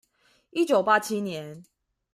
一九八七年